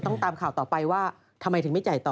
ตามข่าวต่อไปว่าทำไมถึงไม่จ่ายต่อ